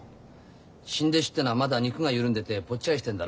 新弟子ってのはまだ肉が緩んでてぽっちゃりしてんだろ？